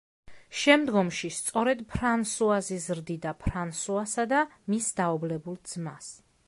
შემდგომში სწორედ ფრანსუაზი ზრდიდა ფრანსუასა და მის დაობლებულ ძმას.